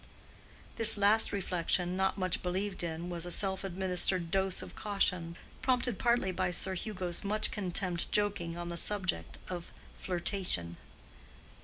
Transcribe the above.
This last reflection, not much believed in, was a self administered dose of caution, prompted partly by Sir Hugo's much contemned joking on the subject of flirtation.